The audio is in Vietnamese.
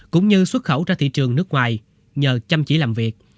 cũng như xuất khẩu ra thị trường nước ngoài nhờ chăm chỉ làm việc